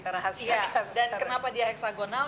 dan kenapa dia heksagonal